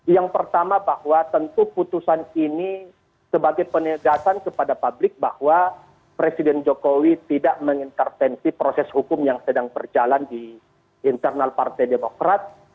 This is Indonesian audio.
yang pertama bahwa tentu putusan ini sebagai penegasan kepada publik bahwa presiden jokowi tidak mengintervensi proses hukum yang sedang berjalan di internal partai demokrat